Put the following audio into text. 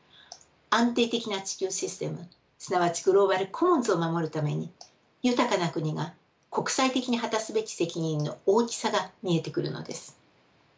安定的な地球システムすなわちグローバル・コモンズを守るために豊かな国が国際的に果たすべき責任の大きさが見えてくるのです。